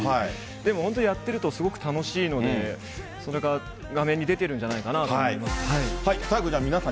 でも本当にやっているとすごく楽しいので、それが画面に出てるんじゃないかなと思います。